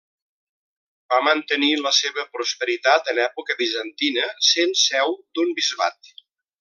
Va mantenir la seva prosperitat en època bizantina sent seu d'un bisbat.